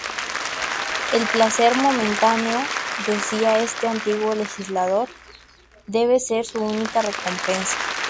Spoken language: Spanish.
El placer momentáneo, decía este antiguo legislador, debe ser su única recompensa.